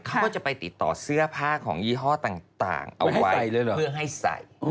เขาก็จะไปติดต่อเสื้อผ้าของยี่ห้อต่างเอาไว้เพื่อให้ใส่